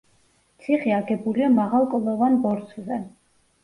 ციხე აგებულია მაღალ კლდოვან ბორცვზე.